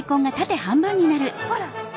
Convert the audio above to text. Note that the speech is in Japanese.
ほら！